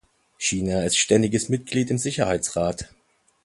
China ist ständiges Mitglied im Sicherheitsrat.